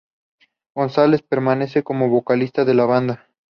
González permanece como vocalista de la banda.